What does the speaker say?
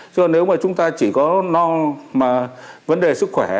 chứ nếu mà chúng ta chỉ có lo vấn đề sức khỏe